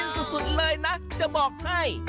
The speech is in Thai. สุดเลยนะจะบอกให้